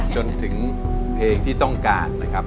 จนถึงเพลงที่ต้องการนะครับ